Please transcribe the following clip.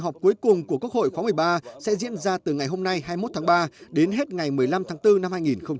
họp cuối cùng của quốc hội khóa một mươi ba sẽ diễn ra từ ngày hôm nay hai mươi một tháng ba đến hết ngày một mươi năm tháng bốn năm hai nghìn hai mươi